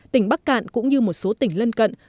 tỉnh bắc cạn cũng như một số tỉnh lân cận